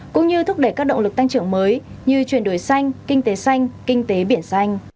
cũng như thúc đẩy các động lực tăng trưởng mới như chuyển đổi xanh kinh tế xanh kinh tế biển xanh